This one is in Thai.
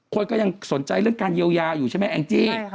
คนก็ยังสนใจเรื่องการเยียวยาอยู่ใช่ไหมแองจี้